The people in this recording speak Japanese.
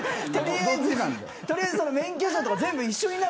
とりあえず免許証とか全部一緒に。